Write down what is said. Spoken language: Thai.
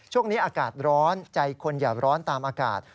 ช่วงนี้อากาศร้อนใจคนอย่าร้อนตามอากาศ